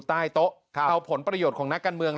ใต้โต๊ะเอาผลประโยชน์ของนักการเมือง